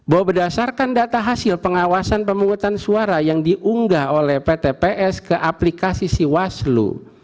bahwa berdasarkan data hasil pengawasan pemungutan suara yang diunggah oleh pt ps ke aplikasi siwaslu